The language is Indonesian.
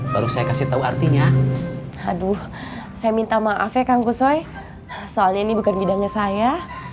baru saya kasih tau artinya aduh saya minta maaf ya kang gus coy soalnya ini bukan bidangnya saya